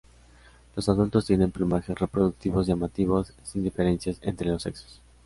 Los adultos tienen plumajes reproductivos llamativos, sin diferencias entre los sexos.